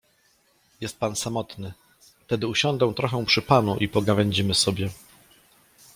— Jest pan samotny, tedy usiądę trochę przy panu i pogawędzimy sobie.